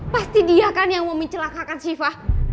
pasti dia kan yang mau mencelakakan shiva